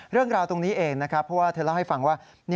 เรื่องราวตรงนี้เองนะครับเพราะว่าเธอเล่าให้ฟังว่า